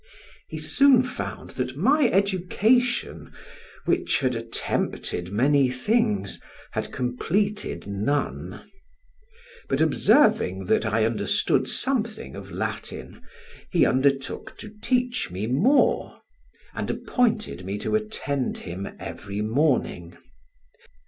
He soon found that my education, which had attempted many things, had completed none; but observing that I understood something of Latin, he undertook to teach me more, and appointed me to attend him every morning.